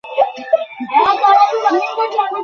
সাক্ষাৎ পেয়ে ধন্য হলাম, কমরেড লেনিন।